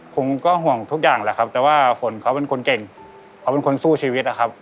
ผมก็ห่วงทุกอย่างแหละครับแต่ว่าฝนเขาเป็นคนเก่งเขาเป็นคนสู้ชีวิตนะครับ